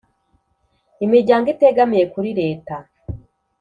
Imiryango itegamiye kuri Leta,